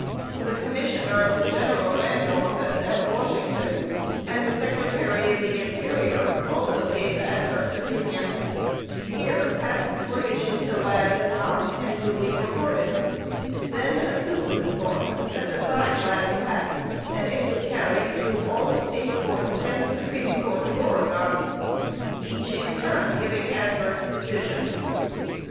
The Commissioner of the General Land Office, at Washington, and the Secretary of the Interior, also gave adverse opinions. Here patents were issued to Ladd & Nott, and duly recorded. Then a suit was brought to set aside Ladd's patent, and it was carried through all the State Courts and the Supreme Court of Oregon, each, in turn, giving adverse decisions.